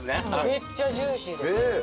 めっちゃジューシーです。